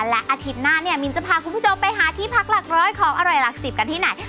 และอาทิตย์หน้าเนี่ยมินจะพาคุณผู้ชมไปหาที่พักหลักร้อยของอร่อยหลักสิบกันที่ไหน